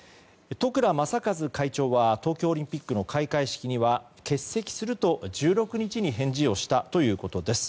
十倉雅和会長は東京オリンピックの開会式には欠席すると、１６日に返事をしたということです。